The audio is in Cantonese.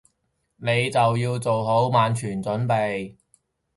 你就要做好萬全準備